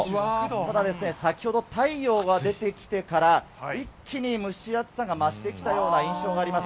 ただ、先ほど太陽が出てきてから、一気に蒸し暑さが増してきたような印象があります。